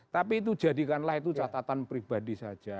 tapi itu jadikanlah itu catatan pribadi saja